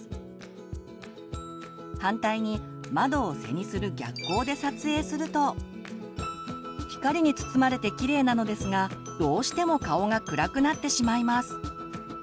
反対に窓を背にする逆光で撮影すると光に包まれてきれいなのですがどうしても顔が暗くなってしまいます。